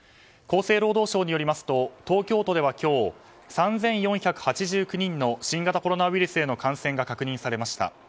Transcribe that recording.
厚生労働省によりますと東京都では今日、３４８９人の新型コロナウイルスへの感染が確認されました。